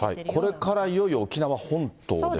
これからいよいよ沖縄本島ですか。